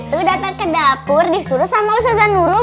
itu datang ke dapur disuruh sama ustazan nurul